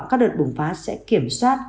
các đợt bùng phát sẽ kiểm soát